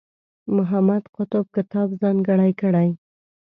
محمد قطب کتاب ځانګړی کړی.